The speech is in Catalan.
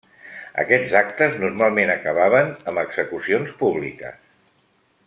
Aquests actes normalment acabaven amb execucions públiques.